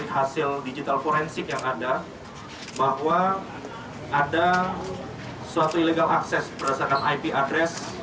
hasil digital forensik yang ada bahwa ada suatu ilegal akses berdasarkan ip address